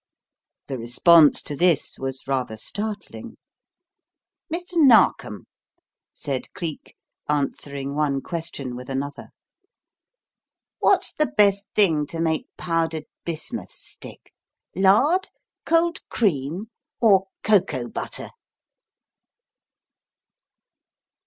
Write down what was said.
The response to this was rather startling. "Mr. Narkom," said Cleek, answering one question with another, "what's the best thing to make powdered bismuth stick lard, cold cream, or cocoa butter?"